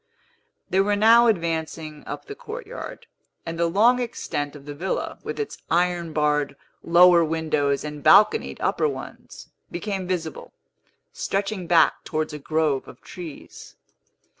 They were now advancing up the courtyard; and the long extent of the villa, with its iron barred lower windows and balconied upper ones, became visible, stretching back towards a grove of trees.